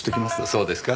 そうですか。